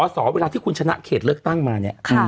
สอเวลาที่คุณชนะเขตเลือกตั้งมาเนี่ย